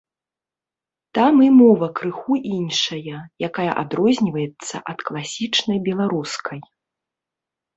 Там і мова крыху іншая, якая адрозніваецца ад класічнай беларускай.